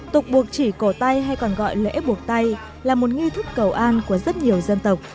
tục buộc chỉ cổ tay hay còn gọi lễ buộc tay là một nghi thức cầu an của rất nhiều dân tộc